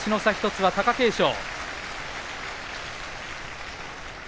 １つは貴景勝。